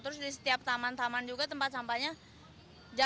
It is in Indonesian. terus di setiap taman taman juga tempat sampahnya jauh